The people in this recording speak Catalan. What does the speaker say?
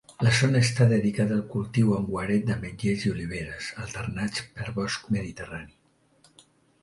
La zona està dedicada al cultiu en guaret d'ametllers i oliveres, alternats per bosc mediterrani.